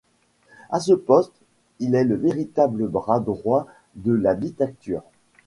À ce poste, il est le véritable bras droit de la dictature.